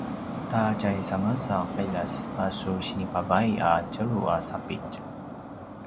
ta tjaisangas a qiljas a su sinipavay a tjelu a sapitj